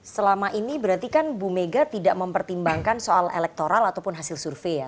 selama ini berarti kan bu mega tidak mempertimbangkan soal elektoral ataupun hasil survei ya